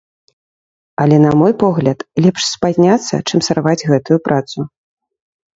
Але, на мой погляд, лепш спазняцца, чым сарваць гэтую працу.